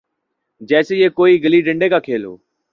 جیسے یہ کوئی گلی ڈنڈے کا کھیل ہو۔